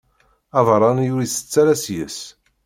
Abeṛṛani ur itett ara seg-s.